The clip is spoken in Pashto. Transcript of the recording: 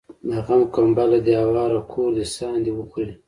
د غم کمبله دي هواره کور دي ساندي وخوري